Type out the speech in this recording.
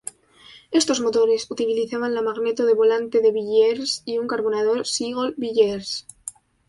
Estos motores utilizaban la magneto de volante de Villiers y un carburador 'Seagull-Villiers'.